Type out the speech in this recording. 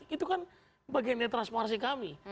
itu kan bagiannya transparansi kami